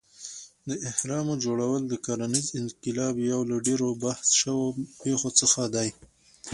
د اهرامو جوړول د کرنیز انقلاب یو له ډېرو بحث شوو پېښو څخه دی.